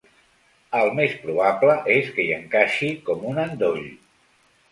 El més probable és que hi encaixi com un endoll.